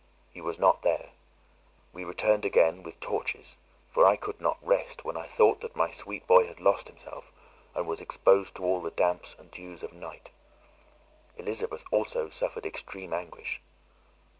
He was not there. We returned again, with torches; for I could not rest, when I thought that my sweet boy had lost himself, and was exposed to all the damps and dews of night; Elizabeth also suffered extreme anguish.